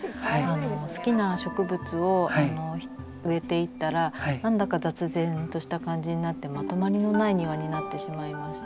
好きな植物を植えていったら何だか雑然とした感じになってまとまりのない庭になってしまいまして。